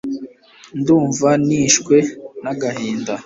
ndumva nishwe nagahinda